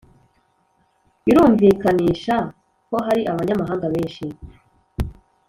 birumvikanisha ko hari abanyamahanga benshi